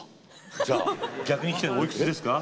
じゃあ逆に聞くけどおいくつですか？